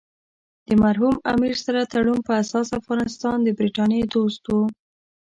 د مرحوم امیر سره تړون په اساس افغانستان د برټانیې دوست وو.